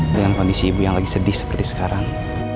dengan kondisi ibu yang lagi sedih seperti sekarang